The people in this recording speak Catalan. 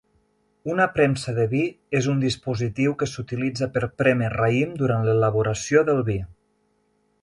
Una premsa de vi és un dispositiu que s'utilitza per prémer raïm durant l'elaboració del vi.